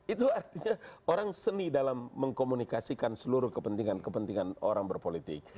itu artinya orang seni dalam mengkomunikasikan seluruh kepentingan kepentingan orang berpolitik